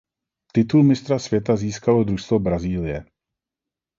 Titul mistra světa získalo družstvo Brazílie.